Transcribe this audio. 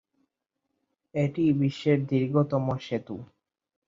এটি বিশ্বের দীর্ঘতম সেতু।